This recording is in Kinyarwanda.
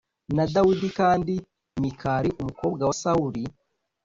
na Dawidi kandi Mikali umukobwa wa Sawuli